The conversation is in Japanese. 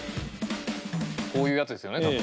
こういうやつですよね多分。